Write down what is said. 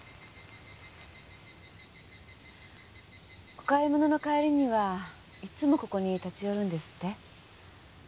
お買い物の帰りにはいつもここに立ち寄るんですって？